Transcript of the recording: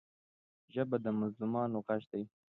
ژبه د مظلومانو غږ دی